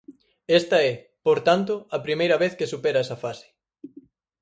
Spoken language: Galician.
Esta é, por tanto, a primeira vez que supera esa fase.